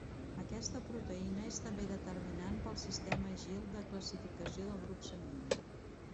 Aquesta proteïna és també determinant per al sistema Gil de classificació del grup sanguini.